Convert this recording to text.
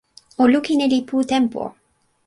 o lukin e lipu tenpo.